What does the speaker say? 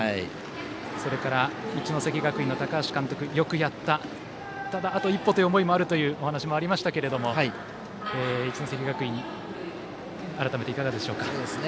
それから一関学院の高橋監督よくやった、ただあと一歩という思いもあるというお話もありましたが一関学院改めていかがでしょうか。